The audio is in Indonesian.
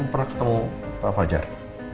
pernah ketemu pak fajar